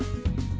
tìm thủ đoạnlist